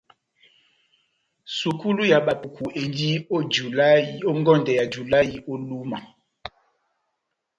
Sukulu ya bapuku endi ó ngɔndɛ yá julahï ó Lúma.